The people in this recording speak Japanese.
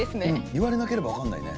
言われなければわかんないね。